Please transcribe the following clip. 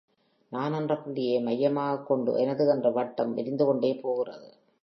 நான் என்ற புள்ளியை மையமாகக் கொண்டு எனது என்ற வட்டம் விரிந்து கொண்டே போகிறது.